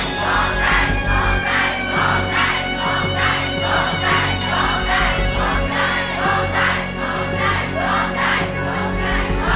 ร้องได้ร้องได้ร้องได้